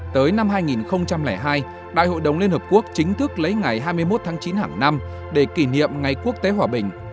tới năm hai nghìn hai đại hội đồng liên hợp quốc chính thức lấy ngày hai mươi một tháng chín hàng năm để kỷ niệm ngày quốc tế hòa bình